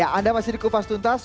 ya anda masih di kupas tuntas